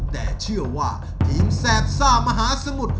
แต่เชื่อว่าทีมแสบซ่ามหาสมุทร